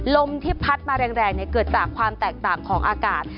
ลมที่พัดมาแรงเกิดจากความแตกต่างของอากาศ